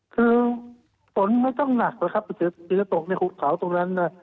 คือฝนไม่ต้องหนักนะครับถึงตรงในขุบขาวตรงนั้นนะ